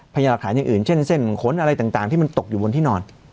พยายามหลักฐานอย่างอื่นเช่นเส้นขนอะไรต่างที่มันตกอยู่บนที่นอน